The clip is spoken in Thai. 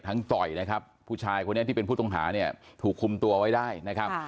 ต่อยนะครับผู้ชายคนนี้ที่เป็นผู้ต้องหาเนี่ยถูกคุมตัวไว้ได้นะครับ